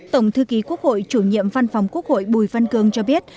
tổng thư ký quốc hội chủ nhiệm văn phòng quốc hội bùi văn cường cho biết